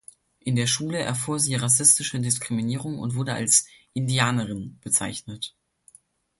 In der Schule erfuhr sie rassistische Diskriminierung und wurde als „Indianerin“ bezeichnet.